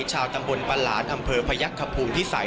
ชาวตำบลปลาหลานอำเภอพยักษภูมิพิสัย